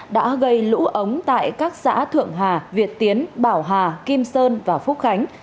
đã gây lũ ống tại các xã thượng hà việt tiến bảo hà kim sơn và phúc khánh